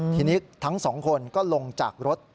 ทีนี้ทั้งสองคนก็ลงจากรถ